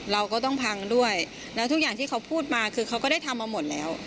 เราก็ต้องพังด้วยแล้วทุกอย่างที่เขาพูดมาคือเขาก็ได้ทำมาหมดแล้ว